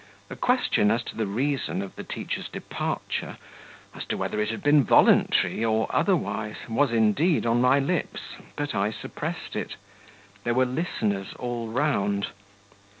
A question as to the reason of the teacher's departure, as to whether it had been voluntary or otherwise, was indeed on my lips, but I suppressed it there were listeners all round.